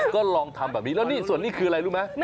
ก็ลองทำแบบนี้แล้วนี่ส่วนนี้คืออะไรรู้ไหม